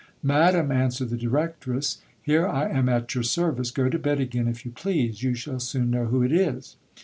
Madam, answered the directress, here I am at your s M vice, go to bed again if you please ; you shall soon know who it is.